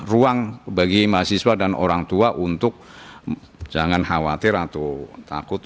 ruang bagi mahasiswa dan orang tua untuk jangan khawatir atau takut